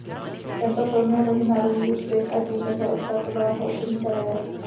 Tento film měl mezinárodní úspěch a tím také odstartovala jeho osobní kariéra.